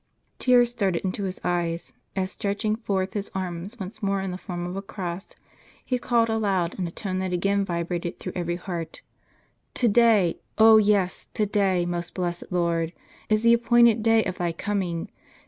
Tears started into his eyes, as stretching forth his arms once more in the form of a cross, he called aloud, in a tone that again vibrated through every heart : "To day; oh yes, to day, most blessed Lord, is the appointed day of Thy coming.